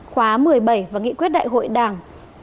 khóa một mươi bảy và nghị quyết đại hội đảng